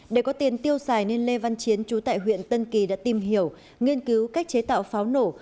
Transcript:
để có tiền tiêu xài nên lê văn chiến chú tại huyện tân kỳ đã tìm hiểu nghiên cứu cách chế tạo pháo nổ